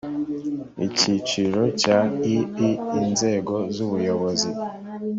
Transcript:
icyiciro cya ii inzego z’ ubuyobozi